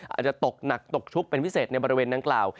อาจจะตกหนักตกชุกเป็นพิเศษในบริเวณดังกล่าว